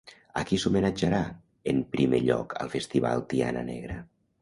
A qui s'homenatjarà en primer lloc al festival Tiana Negra?